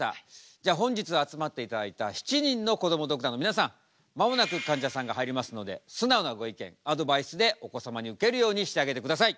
じゃあ本日集まっていただいた７人のこどもドクターの皆さん間もなくかんじゃさんが入りますので素直なご意見アドバイスでお子様にウケるようにしてあげてください。